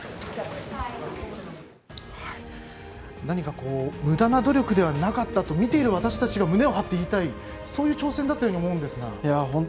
何かむだな努力ではなかったと見ている私たちが胸を張って言いたいそういう挑戦だったと思うんですが。